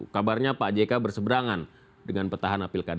kabarnya pak jk berseberangan dengan petahan api dki jakarta